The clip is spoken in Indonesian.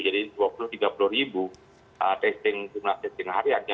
jadi dua puluh tiga puluh ribu jumlah testing harian